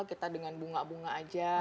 kita dengan bunga bunga aja